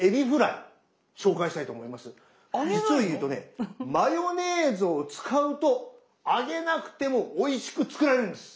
実をいうとねマヨネーズを使うと揚げなくてもおいしく作れるんです。